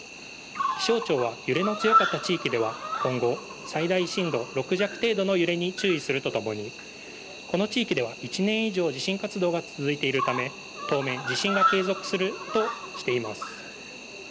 気象庁は揺れの強かった地域では今後、最大震度６弱程度の揺れに注意するとともにこの地域では１年以上地震活動が続いているため当面地震が継続するとしています。